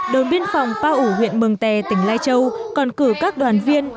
đồn biên phòng pa ủ huyện mường tè tỉnh lai châu còn cử các đoàn viên